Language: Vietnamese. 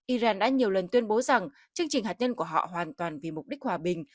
iran đã nhiều lần tuyên bố rằng chương trình hạt nhân của họ hoàn toàn vì mục đích hòa bình